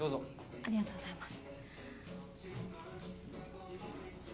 ありがとうございます。